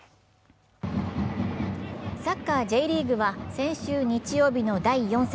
サッカーＪリーグは先週日曜日の第４節。